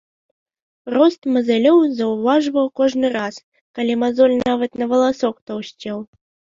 Рост мазалёў заўважваў кожны раз, калі мазоль нават на валасок таўсцеў.